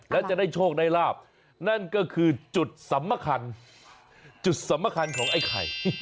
แล้วจะได้โชคได้ลาบนั่นก็คือจุดสำคัญจุดสำคัญของไอ้ไข่